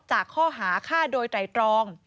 จากข้อหาฆ่าโดยไตรตรอง